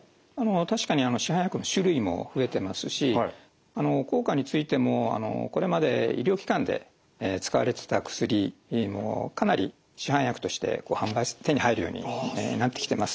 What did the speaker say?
確かに市販薬の種類も増えてますし効果についてもこれまで医療機関で使われてた薬もかなり市販薬として手に入るようになってきてます。